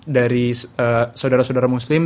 dari saudara saudara muslim